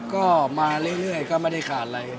ก็มาเรื่อยก็ไม่ได้ขาดอะไร